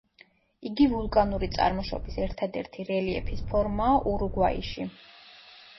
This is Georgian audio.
იგი ვულკანური წარმოშობის ერთადერთი რელიეფის ფორმაა ურუგვაიში.